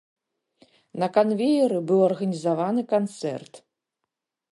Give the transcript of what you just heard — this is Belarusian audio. На канвееры быў арганізаваны канцэрт.